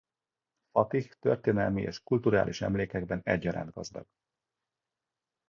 Fatih történelmi és kulturális emlékekben egyaránt gazdag.